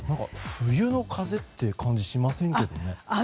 冬の風って感じしませんけどね。